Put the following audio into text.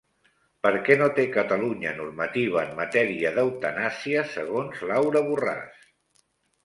Per què no té Catalunya normativa en matèria d'eutanàsia segons Laura Borràs?